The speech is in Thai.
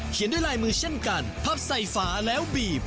ด้วยลายมือเช่นกันพับใส่ฝาแล้วบีบ